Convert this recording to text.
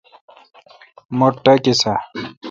مٹھ ٹاکیس اؘ ۔